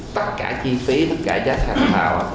tất cả chi phí tất cả giá khả năng nào